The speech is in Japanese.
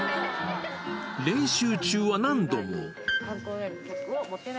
練習中は何度も。